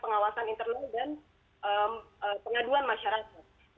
pengawasan internal dan pengaduan masyarakat